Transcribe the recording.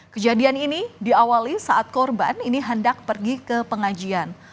kejadian ini diawali saat korban ini hendak pergi ke pengajian